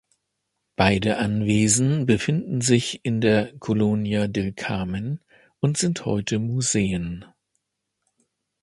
Beide Anwesen befinden sich in der "Colonia del Carmen" und sind heute Museen.